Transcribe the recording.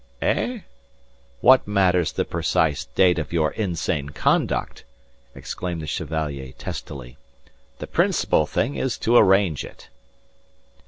"Eh? What matters the precise date of your insane conduct!" exclaimed the Chevalier testily. "The principal thing is to arrange it..."